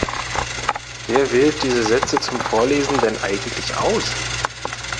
Wer wählt diese Sätze zum Vorlesen denn eigentlich aus?